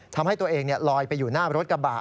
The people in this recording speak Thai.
ทำให้ตัวเองลอยไปอยู่หน้ารถกระบะ